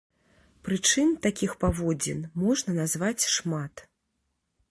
Прычын такіх паводзін можна назваць шмат.